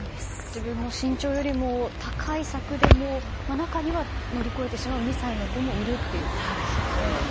自分の身長よりも高い柵でも中には乗り越えてしまう２歳の子もいるということですよね。